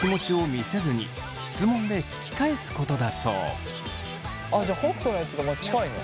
おすすめはあっじゃあ北斗のやつが近いね。